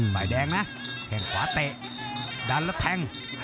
ฝ่ายแดงนะแข่งขวาเตะดันแล้วแทง